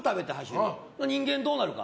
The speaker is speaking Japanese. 人間どうなるか。